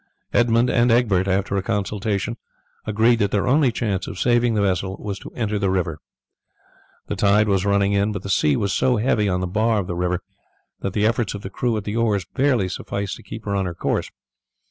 Edmund and Egbert, after a consultation, agreed that their only chance of saving the vessel was to enter the river. The tide was running in, but the sea was so heavy on the bar of the river that the efforts of the crew at the oars barely sufficed to keep her on her course.